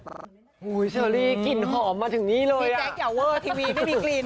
ผู้แซลลี่กลิ่นหอมมาถึงนี่เลยอ่ะทีวีไม่มีกลิ่นโอ้ย